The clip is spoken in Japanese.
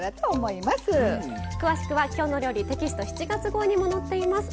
詳しくは「きょうの料理」テキスト７月号にも載っています。